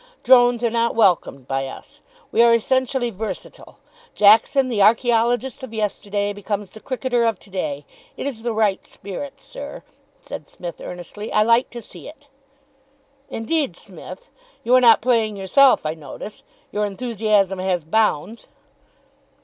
Drones are not welcomed by us. We are essentially versatile. Jackson, the archaeologist of yesterday, becomes the cricketer of to day. It is the right spirit, sir," said Psmith earnestly. "I like to see it." "Indeed, Smith? You are not playing yourself, I notice. Your enthusiasm has bounds."